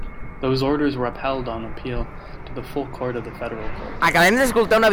Those orders were upheld on appeal to the Full Court of the Federal Court.